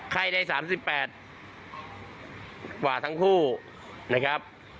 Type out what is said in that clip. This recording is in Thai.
ไข้ได้๓๘กว่าทั้งคู่นะครับ